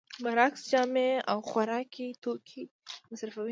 برعکس جامې او خوراکي توکي مصرفوي